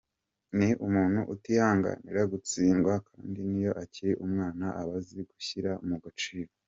Ni umuntu utihanganira gutsindwa kandi niyo akiri umwana aba azi gushyira mu gaciro.